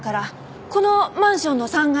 このマンションの３階です。